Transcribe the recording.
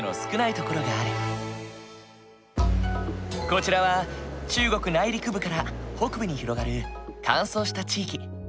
こちらは中国内陸部から北部に広がる乾燥した地域。